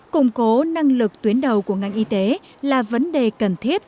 củng cố năng lực tuyến đầu của ngành y tế là vấn đề cần thiết